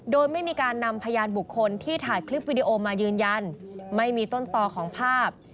โดยไม่มีการนำพยานบุคคลที่ถ่ายคลิปวิดีโอมายืนยันไม่มีต้นต่อของภาพ